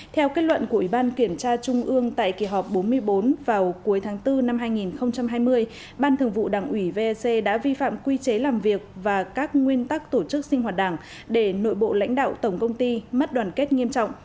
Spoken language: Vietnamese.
theo kết luận của ủy ban kiểm tra trung ương tại kỳ họp bốn mươi bốn vào cuối tháng bốn năm hai nghìn hai mươi ban thường vụ đảng ủy vec đã vi phạm quy chế làm việc và các nguyên tắc tổ chức sinh hoạt đảng để nội bộ lãnh đạo tổng công ty mất đoàn kết nghiêm trọng